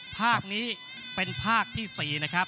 ภาคนี้เป็นภาคที่๔นะครับ